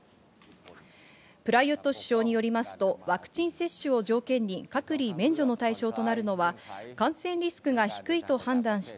プラユット首相によりますと、ワクチン接種を条件に隔離免除の対象となるのは感染リスクが低いと判断した